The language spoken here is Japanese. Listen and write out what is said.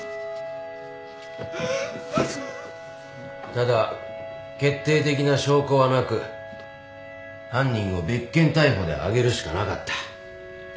ただ決定的な証拠はなく犯人を別件逮捕で挙げるしかなかった。